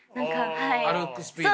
歩くスピード。